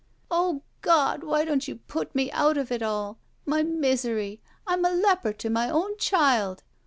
"O God! why don't you put me out of it all? My misery! I'm a leper to my own child!"